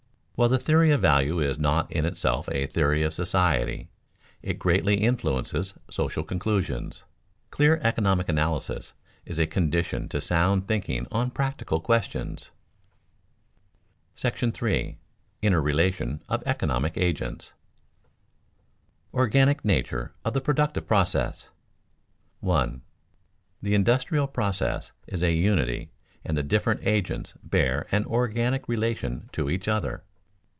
While the theory of value is not in itself a theory of society, it greatly influences social conclusions. Clear economic analysis is a condition to sound thinking on practical questions. § III. INTERRELATION OF ECONOMIC AGENTS [Sidenote: Organic nature of the productive process] 1. _The industrial process is a unity and the different agents bear an organic relation to each other.